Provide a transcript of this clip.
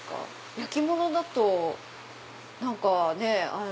焼き物だと何かね。